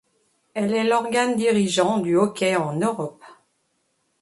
Elle est l'organe dirigeant du hockey en Europe.